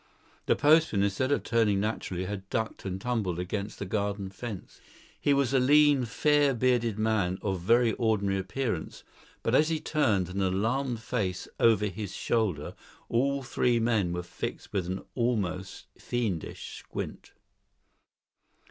The postman, instead of turning naturally, had ducked and tumbled against the garden fence. He was a lean fair bearded man of very ordinary appearance, but as he turned an alarmed face over his shoulder, all three men were fixed with an almost fiendish squint.